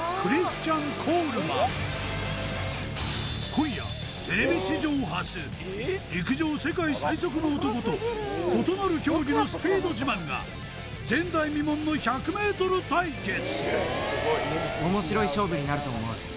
今夜テレビ史上初陸上世界最速の男と異なる競技のスピード自慢が前代未聞の１００ｍ対決